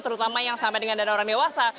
terutama yang sama dengan dana orang dewasa